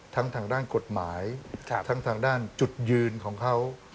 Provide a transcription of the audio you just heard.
ทางด้านกฎหมายทั้งทางด้านจุดยืนของเขา